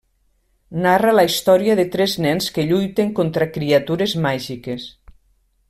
Narra la història de tres nens que lluiten contra criatures màgiques.